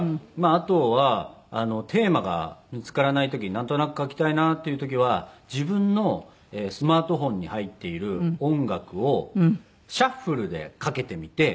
あとはテーマが見つからない時なんとなく描きたいなっていう時は自分のスマートフォンに入っている音楽をシャッフルでかけてみて。